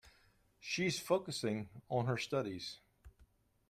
She's focusing on her studies.